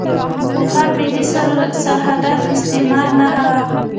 پخوا ملي سرحدات د استعمار نښه وو.